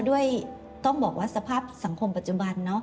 ต้องบอกว่าสภาพสังคมปัจจุบัน